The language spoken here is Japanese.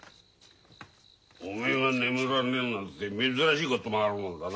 おめえが眠らんねえなんて珍しいこともあるもんだな。